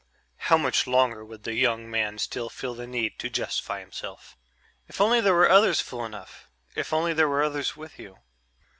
How much longer would the young man still feel the need to justify himself? "If only there were others fool enough if only there were others with you....